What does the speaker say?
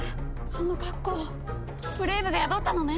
その格好ブレイブが宿ったのね！